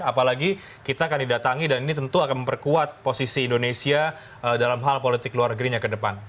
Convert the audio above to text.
apalagi kita akan didatangi dan ini tentu akan memperkuat posisi indonesia dalam hal politik luar negerinya ke depan